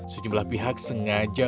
sejumlah pihak sengaja